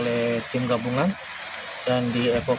terdapat pencarian pada empat korban hilang